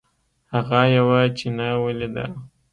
هغه یوه چینه ولیده.